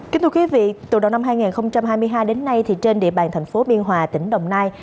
kính thưa quý vị từ đầu năm hai nghìn hai mươi hai đến nay trên địa bàn thành phố biên hòa tỉnh đồng nai